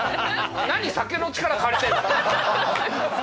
何酒の力借りてんだよ。